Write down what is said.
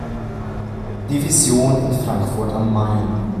Division in Frankfurt am Main.